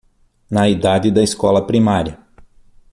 Na idade da escola primária